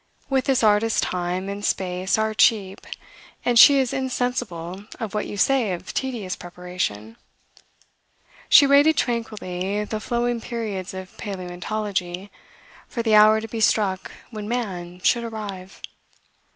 With this artist time and space are cheap, and she is insensible of what you say of tedious preparation. She waited tranquilly the flowing periods of paleontology, for the hour to be struck when man should arrive.